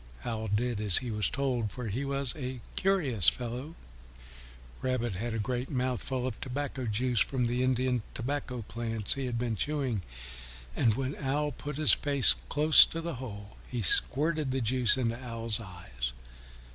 Owl did as he was told, for he was a curious fellow. Rabbit had a great mouthful of tobacco juice from the Indian tobacco leaves he had been chewing, and when Owl put his face close to the hole he squirted the juice into Owl's eyes.